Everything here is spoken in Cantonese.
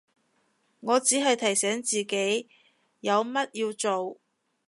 我只係提醒自己有乜要做